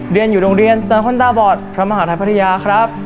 เรียนอยู่โรงเรียนเซอร์ฮอนตาบอดพระมหาทัยพัทยาครับ